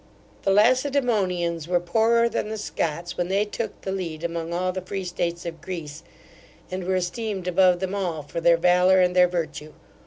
The Lacedaemonians were poorer than the Scots, when they took the lead among all the free states of Greece, and were esteemed above them all for their valour and their virtue.